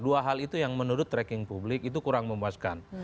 dua hal itu yang menurut tracking publik itu kurang memuaskan